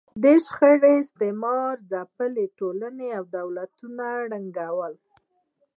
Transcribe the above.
دې شخړو استثمار ځپلې ټولنې او دولتونه ړنګول